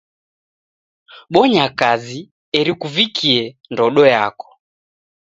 Bonya kazi eri kuvikie ndodo yako.